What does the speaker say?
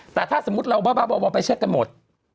แต่ถ้าสมมุติเราบ้าไปเช็คกันหมด